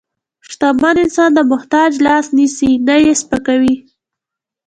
شتمن انسان د محتاج لاس نیسي، نه یې سپکوي.